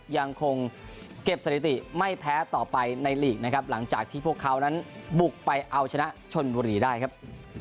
ยังคงเก็บสถิติไม่แพ้ต่อไปในลีกนะครับหลังจากที่พวกเขานั้นบุกไปเอาชนะชนบุรีได้ครับ